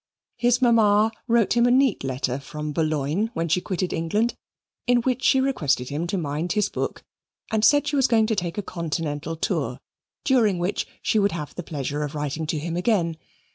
His mamma wrote him a neat letter from Boulogne, when she quitted England, in which she requested him to mind his book, and said she was going to take a Continental tour, during which she would have the pleasure of writing to him again.